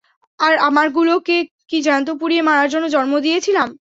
আর আমারগুলোকে কি জ্যান্ত পুড়িয়ে মারার জন্য জন্ম দিয়েছিলাম?